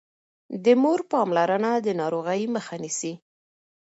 د مور پاملرنه د ناروغۍ مخه نيسي.